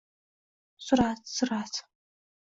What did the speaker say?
Surat, surat!